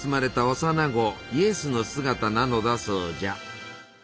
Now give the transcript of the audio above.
幼な子イエスの姿なのだそうじゃ。